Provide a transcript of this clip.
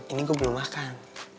ini gue belum makan